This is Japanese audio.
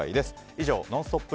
以上ノンストップ！